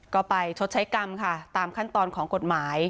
ก็ไปชดใช้กรรมค่ะตามขั้นตอนของกฎหมาย